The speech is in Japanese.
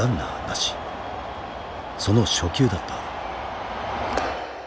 その初球だった。